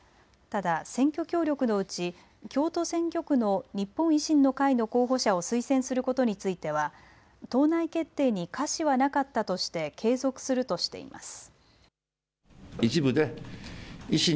ただ選挙協力のうち京都選挙区の日本維新の会の候補者を推薦することについては党内決定にかしはなかったとして継続するとしています。